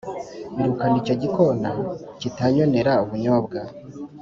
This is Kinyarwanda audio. irukana icyo gikona kitanyonera ubunyobwa.